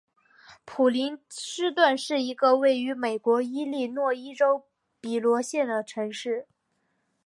普林斯顿是一个位于美国伊利诺伊州比罗县的城市。